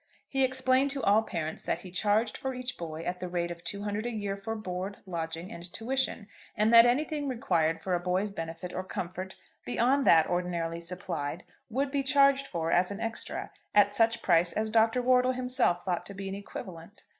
He explained to all parents that he charged for each boy at the rate of two hundred a year for board, lodging, and tuition, and that anything required for a boy's benefit or comfort beyond that ordinarily supplied would be charged for as an extra at such price as Dr. Wortle himself thought to be an equivalent.